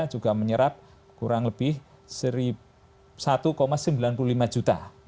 juga menyerap kurang lebih satu sembilan puluh lima juta